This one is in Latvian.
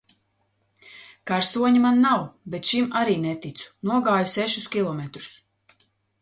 Karsoņa man nav, bet šim arī neticu. Nogāju sešus kilometrus.